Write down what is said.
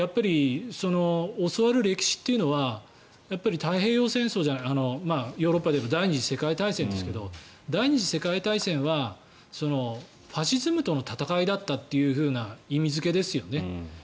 教わる歴史というのは太平洋戦争ヨーロッパでは第２次世界大戦ですけど第２次世界大戦はファシズムとの戦いだったという意味付けですよね。